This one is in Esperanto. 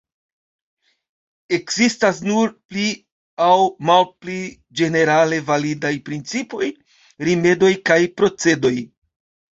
Ekzistas nur pli aŭ malpli ĝenerale validaj principoj, rimedoj kaj procedoj.